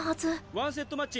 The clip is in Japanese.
１セットマッチ